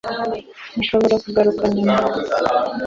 Nshobora kugaruka nyuma